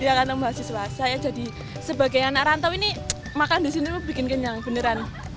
iya kantong mahasiswa saya jadi sebagai anak rantau ini makan disini membuat kenyang beneran